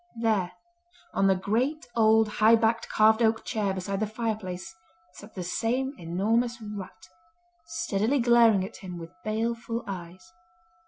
There, on the great old high backed carved oak chair beside the fireplace sat the same enormous rat, steadily glaring at him with baleful eyes.